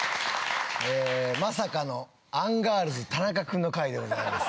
まさかのアンガールズ田中くんの回でございます